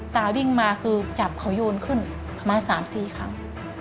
ตาวิ่งมาคือจับเขาโยนขึ้นประมาณ๓๔ครั้ง